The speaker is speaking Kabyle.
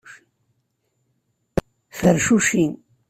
Fercuci.